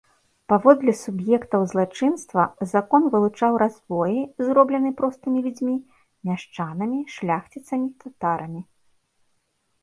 Паводле суб'ектаў злачынства закон вылучаў разбоі, зроблены простымі людзьмі, мяшчанамі, шляхціцамі, татарамі.